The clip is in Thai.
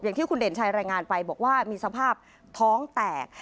อย่างที่คุณเด่นชัยรายงานไปบอกว่ามีสภาพท้องแตก